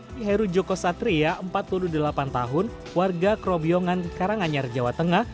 di heru joko satria empat puluh delapan tahun warga krobiongan karanganyar jawa tengah